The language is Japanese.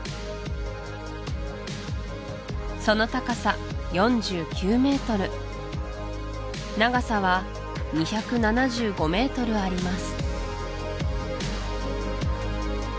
その高さ４９ｍ長さは２７５ｍあります